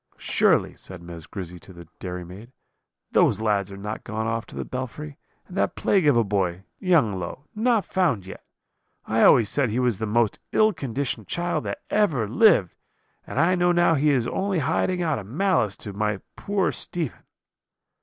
"'Surely,' said Miss Grizzy to the dairy maid, 'those lads are not gone off to the belfry, and that plague of a boy, young Low, not found yet! I always said he was the most ill conditioned child that ever lived; and I know now he is only hiding out of malice to my poor Stephen.'